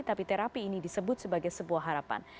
tapi terapi ini disebut sebagai sebuah harapan